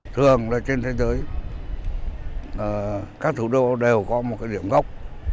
thường là trên thế giới các thủ đô đều có một cái điểm gốc